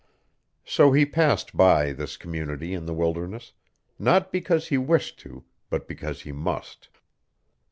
So he passed by this community in the wilderness, not because he wished to but because he must.